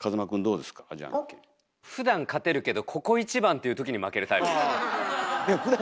ふだん勝てるけどここ一番っていう時に負けるタイプですね。